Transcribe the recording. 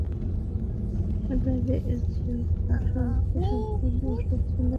আপনার ব্যাগে এর চেয়েও কম শক্তিসম্পন্ন ওষুধ ছিল যেটা তার ব্যাথা হ্রাস করতে পারত।